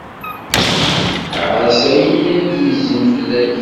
Ɛass ayen ay d-yezzin fell-ak.